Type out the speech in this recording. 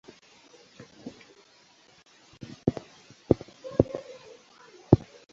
যা উল্টো পদ্মের মতো দেখতে।